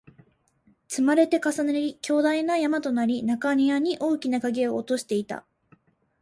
積まれて、重なり、巨大な山となり、中庭に大きな影を落としていた